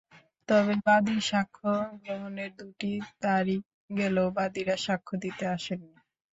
তবে বাদীর সাক্ষ্য গ্রহণের দুটি তারিখ গেলেও বাদীরা সাক্ষ্য দিতে আসেননি।